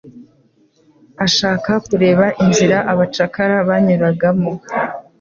ashaka kureba inzira abacakara banyuragamo,